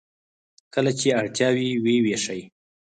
کله چې اړتیا وي و یې ویشي.